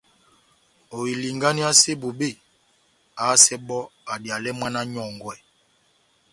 Ohilinganiyase bobé, ahásɛ bɔ́ adiyalɛ mwána nyɔ́ngwɛ.